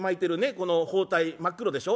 この包帯真っ黒でしょ。